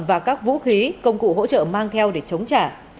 và các vũ khí công cụ hỗ trợ mang theo để chống trả